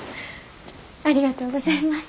ありがとうございます。